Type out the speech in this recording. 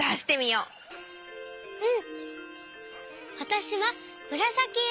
うん。